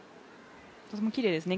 とてもきれいですね。